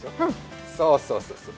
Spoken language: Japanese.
そうそうそう。